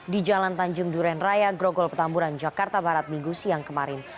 di jalan tanjung duren raya grogol petamburan jakarta barat minggu siang kemarin